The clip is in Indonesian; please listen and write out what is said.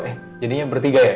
eh jadinya bertiga ya